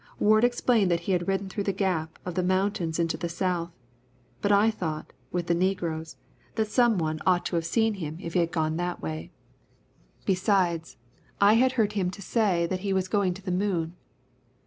Ward explained that he had ridden through the gap of the mountains into the South, but I thought, with the negroes, that someone ought to have seen him if he had gone that way; besides, I had heard him say that he was going to the moon.